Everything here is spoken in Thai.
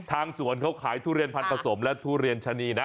สวนเขาขายทุเรียนพันธสมและทุเรียนชะนีนะ